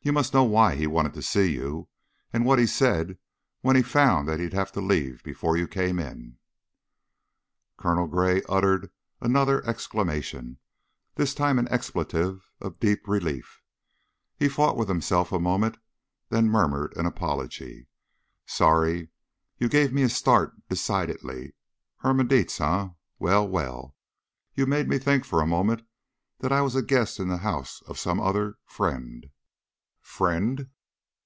You must know why he wanted to see you, and what he said when he found that he'd have to leave before you came in." Colonel Gray uttered another exclamation, this time an expletive of deep relief. He fought with himself a moment, then murmured an apology. "Sorry. You gave me a start decidedly. Herman Dietz, eh? Well, well! You made me think for a moment that I was a guest in the house of some other friend." "_Friend?